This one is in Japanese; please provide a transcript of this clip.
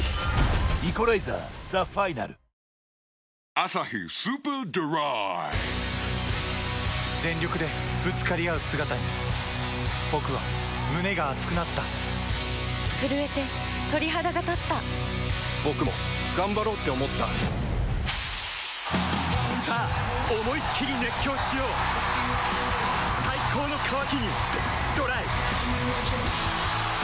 「アサヒスーパードライ」全力でぶつかり合う姿に僕は胸が熱くなった震えて鳥肌がたった僕も頑張ろうって思ったさあ思いっきり熱狂しよう最高の渇きにＤＲＹ